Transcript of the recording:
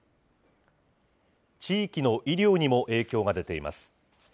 地域の医療にも影響が出ています。